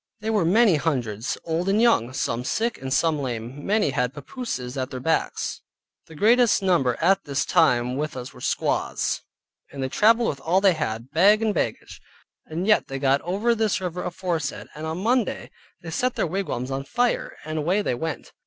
They were many hundreds, old and young, some sick, and some lame; many had papooses at their backs. The greatest number at this time with us were squaws, and they traveled with all they had, bag and baggage, and yet they got over this river aforesaid; and on Monday they set their wigwams on fire, and away they went.